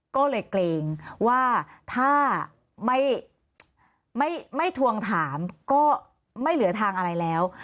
ก็เลยเกรงว่าถ้าไม่ทวงถามก็ไม่เหลือทางอะไรแล้ว